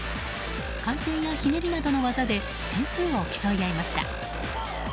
回転や、ひねりなどの技で点数を競い合いました。